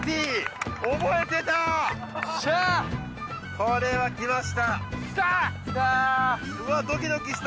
これはきましたきた！